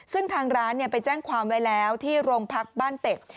ซึ่งทางร้านไปแจ้งความไว้แล้วที่โรงพักบ้านเป็ด